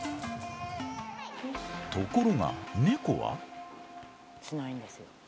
ところがネコは。